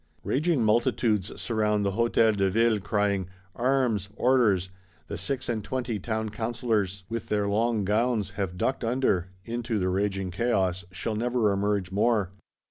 Raging multitudes surround the Hôtel de Ville, crying: Arms! Orders! The Six and twenty Town Councillors, with their long gowns, have ducked under (into the raging chaos);—shall never emerge more.